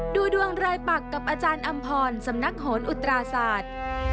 ดูดวงรายปักกับอาจารย์อำพรสำนักโหนอุตราศาสตร์